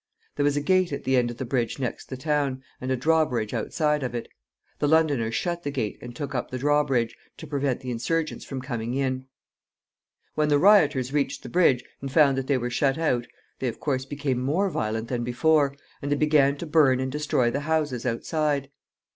There was a gate at the end of the bridge next the town, and a drawbridge outside of it. The Londoners shut the gate and took up the drawbridge, to prevent the insurgents from coming in. When the rioters reached the bridge, and found that they were shut out, they, of course, became more violent than before, and they began to burn and destroy the houses outside.